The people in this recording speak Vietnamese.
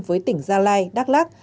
với tỉnh gia lai đắk lắc